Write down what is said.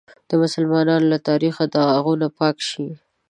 د مسلمانانو له تاریخه داغونه پاک شي.